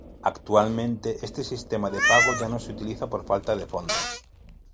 Actualmente este sistema de pago ya no se utiliza por falta de fondos.